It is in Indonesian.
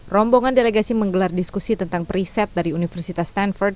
rombongan delegasi menggelar diskusi tentang periset dari universitas tanford